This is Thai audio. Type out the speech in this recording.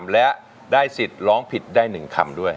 และได้สิทธิ์ร้องผิดได้๑คำด้วย